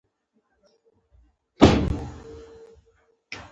یوه ډله دې مفردې کلمې او بله مرکبې کلمې ولیکي.